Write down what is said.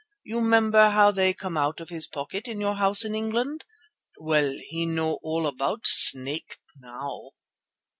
You 'member how they come out of his pocket in your house in England? Well, he know all about snake now."